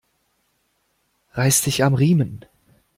Reiß dich am Riemen!